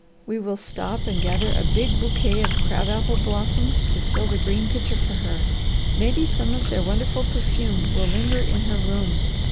We will stop and gather a big bouquet of crab apple blossoms to fill the green pitcher for her. Maybe some of their wonderful perfume will linger in her room.